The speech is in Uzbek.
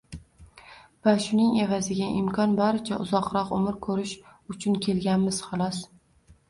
va shuning evaziga imkon boricha uzoqroq umr ko‘rish uchun kelganmiz, xolos.